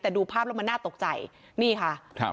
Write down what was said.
แต่ดูภาพแล้วมันน่าตกใจนี่ค่ะครับ